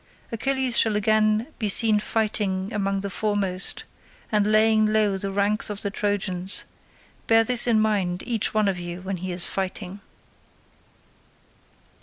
Achilles shall again be seen fighting among the foremost, and laying low the ranks of the Trojans: bear this in mind each one of you when he is fighting."